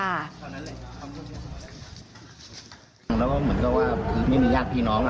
แล้วก็เหมือนกับว่าคือไม่มีญาติพี่น้องล่ะ